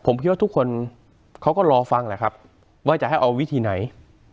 ผมคิดว่าทุกคนเขาก็รอฟังแหละครับว่าจะให้เอาวิธีไหน